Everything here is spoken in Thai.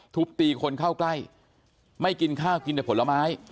ทุบตีคนเข้าใกล้ไม่กินข้าวกินแต่ผลไม้